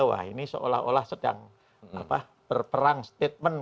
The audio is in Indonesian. wah ini seolah olah sedang berperang statement